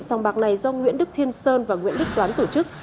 sòng bạc này do nguyễn đức thiên sơn và nguyễn đức toán tổ chức